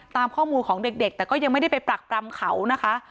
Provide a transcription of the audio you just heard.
ตามข้อมูลของเด็กแต่ก็ยังไม่ได้ไปปรักปรำเขานะคะ